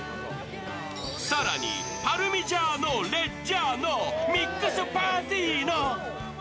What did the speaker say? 更に、パルミジャーノ・レッジャーノミックスパーティーノ！